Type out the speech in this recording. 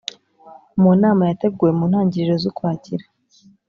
mu nama yateguwe mu ntangiriro z'ukwakira,